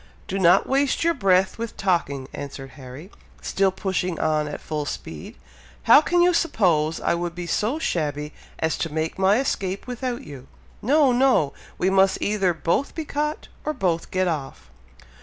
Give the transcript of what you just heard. "Do not waste your breath with talking," answered Harry, still pushing on at full speed. "How can you suppose I would be so shabby as to make my escape without you! No! no! we must either both be caught, or both get off!"